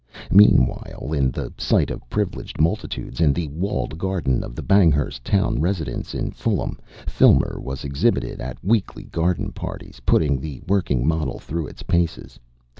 Meanwhile, in the sight of privileged multitudes in the walled garden of the Banghurst town residence in Fulham, Filmer was exhibited at weekly garden parties putting the working model through its paces.